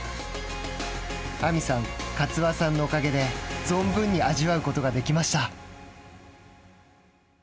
亜実さん、カツワンさんのおかげで存分に味わうことができました。